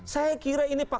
saya kira ini paham